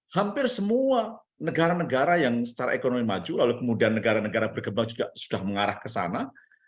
hampir semua negara negara yang secara ekonomi maju lalu kemudian negara negara berkembang juga sudah mengarah ke sana